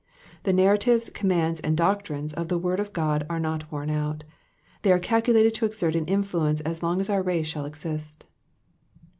The narratives, commands, and doctrines of the word of God are not worn out ; they are calculated to exert an influence as long as our race shall exist.